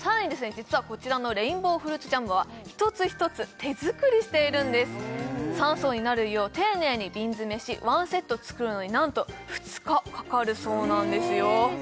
実はこちらのレインボーフルーツジャムは一つ一つ手作りしているんです３層になるよう丁寧に瓶詰めしワンセット作るのになんと２日かかるそうなんですよえ